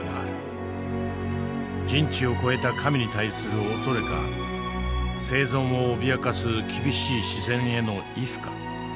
人知を超えた神に対する畏れか生存を脅かす厳しい自然への畏怖か。